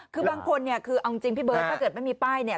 คือบางคนเนี่ยคือเอาจริงพี่เบิร์ตถ้าเกิดไม่มีป้ายเนี่ย